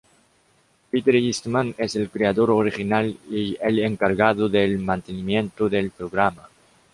Peter Eastman es el creador original y el encargado del mantenimiento del programa.